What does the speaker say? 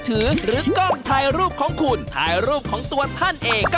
สำหรับพี่มีของดีเหรอ